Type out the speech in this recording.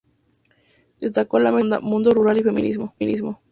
destacó la mesa redonda “Mundo rural y feminismo”